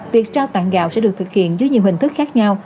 việc trao tặng gạo sẽ được thực hiện dưới nhiều hình thức khác nhau